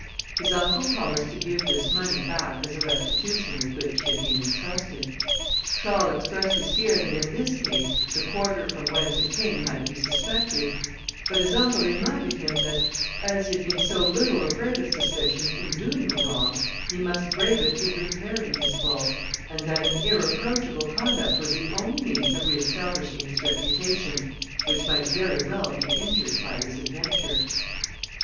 His uncle promised to give this money back as a restitution with which he had been intrusted. Charles expressed his fear that in this case, the quarter from whence it came might be suspected; but his uncle reminded him, that as he had been so little afraid of suspicion in doing the wrong, he must brave it in repairing his fault, and that an irreproachable conduct was the only means of re establishing his reputation, which might very well be injured by this adventure.